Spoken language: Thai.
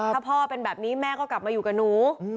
ถ้าพ่อเป็นแบบนี้แม่ก็กลับมาอยู่กับหนู